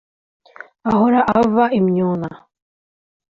ahora ava imyuna